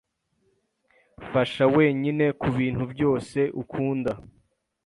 Fasha wenyine kubintu byose ukunda.